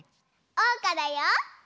おうかだよ。